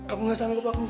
aku gak sama kepaku